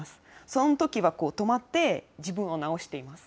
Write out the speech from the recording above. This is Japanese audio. そのときはこう、止まって、自分を直しています。